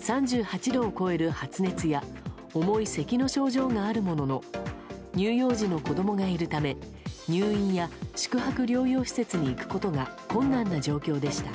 ３８度を超える発熱や重いせきの症状があるものの乳幼児の子供がいるため入院や宿泊療養施設に行くことが困難な状況でした。